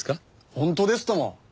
本当ですとも！